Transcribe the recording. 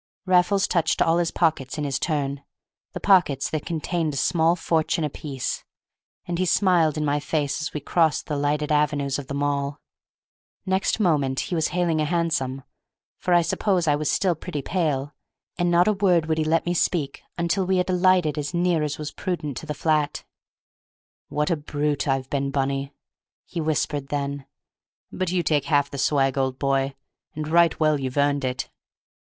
Raffles touched all his pockets in his turn, the pockets that contained a small fortune apiece, and he smiled in my face as we crossed the lighted avenues of the Mall. Next moment he was hailing a hansom—for I suppose I was still pretty pale—and not a word would he let me speak until we had alighted as near as was prudent to the flat. "What a brute I've been, Bunny!" he whispered then, "but you take half the swag, old boy, and right well you've earned it.